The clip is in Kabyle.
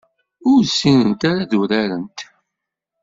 Ur ssinent ara ad urarent.